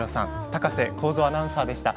高瀬耕造アナウンサーでした。